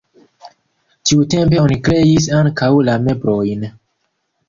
Tiutempe oni kreis ankaŭ la meblojn.